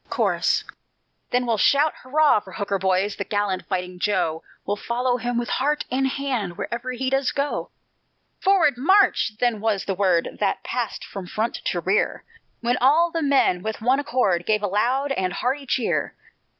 Chorus Then we'll shout hurrah for Hooker, boys, The gallant fighting Joe; We'll follow him with heart and hand, Wherever he does go. "Forward, March!" then was the word That passed from front to rear, When all the men with one accord Gave a loud and hearty cheer.